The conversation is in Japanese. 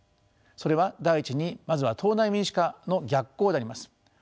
それは第１にまずは党内民主化の逆行であります。